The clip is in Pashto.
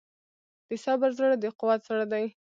د صبر زړه د قوت زړه دی.